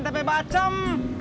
makan tepe bacem